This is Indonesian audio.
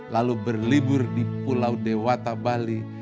lalu berlibur di pulau dewata bali